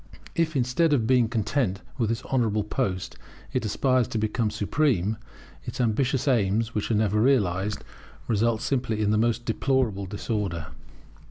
If, instead of being content with this honourable post, it aspires to become supreme, its ambitious aims, which are never realized, result simply in the most deplorable disorder.